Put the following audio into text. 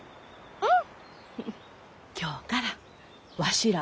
うん。